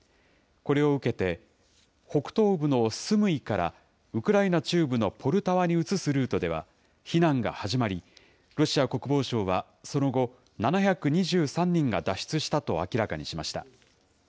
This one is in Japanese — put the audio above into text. これを受けて、北東部のスムイからウクライナ中部のポルタワに移すルートでは、避難が始まり、ロシア国防省はその後、７２３人が脱出したと明らかにしました。